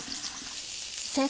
先生